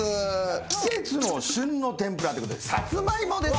季節の旬の天ぷらということでサツマイモですね。